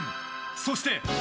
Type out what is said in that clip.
そして。